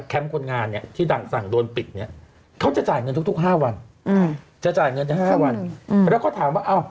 คนงานเนี่ยที่ดังสั่งโดนปิดเนี่ยเขาจะจ่ายเงินทุก๕วันจะจ่ายเงินทั้ง๕วันแล้วก็ถามว่าอ้าว